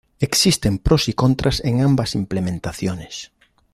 Existen pros y contras en ambas implementaciones.